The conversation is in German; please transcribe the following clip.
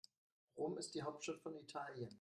Rom ist die Hauptstadt von Italien.